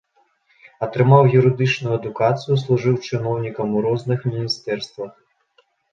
Атрымаў юрыдычную адукацыю, служыў чыноўнікам у розных міністэрствах.